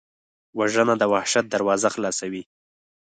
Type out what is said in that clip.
وژنه د وحشت دروازه خلاصوي